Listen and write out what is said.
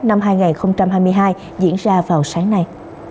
năm hai nghìn hai mươi hai diễn ra vào sáng nay